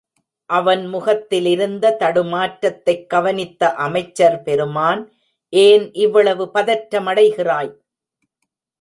அவன் முகத்திலிருந்த தடுமாற்றத்தைக் கவனித்த அமைச்சர் பெருமான், ஏன் இவ்வளவு பதற்றமடைகிறாய்?